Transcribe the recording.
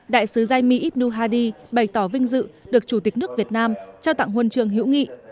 đại sứ yasmir ibn hadi bày tỏ vinh dự được chủ tịch nước việt nam trao tặng huân trường hữu nghị